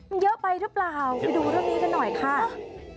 มันเยอะไปหรือเปล่าไปดูเรื่องนี้กันหน่อยค่ะ